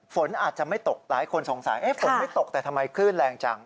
ฝนอาจจะไม่ตกหลายคนสงสัยฝนไม่ตกแต่ทำไมคลื่นแรงจัง